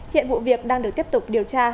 hiện vụ việc đang được tiếp tục điều tra